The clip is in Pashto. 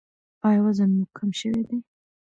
ایا وزن مو کم شوی دی؟